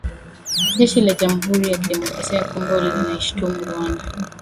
Jeshi la Jamuhuri ya Kidemokrasia ya Kongo linaishutumu Rwanda